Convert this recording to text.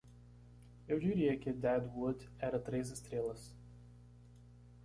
Eu diria que Dead Wood era três estrelas